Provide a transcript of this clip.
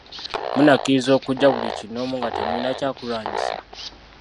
Munnakkiriza okujja buli kinnoomu nga temulina kya kulwanyisa?